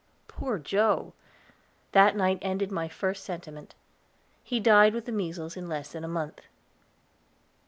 Poor Joe! That night ended my first sentiment. He died with the measles in less than a month.